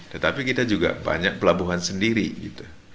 tetapi kita juga banyak pelabuhan sendiri gitu